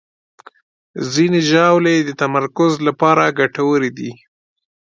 ځینې ژاولې د تمرکز لپاره ګټورې دي.